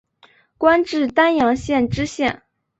官至丹阳县知县。